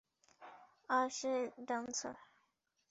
আর সে ড্যান্সার।